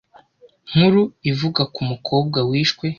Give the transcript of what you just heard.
nkuru ivuga ku mukobwa wishwe.